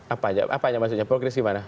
apa aja apa aja maksudnya progres gimana